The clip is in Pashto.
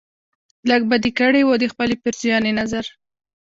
لږ به دې کړی و دخپلې پیرزوینې نظر